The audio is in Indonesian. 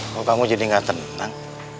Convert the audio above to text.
mau kamu jadi gak tenang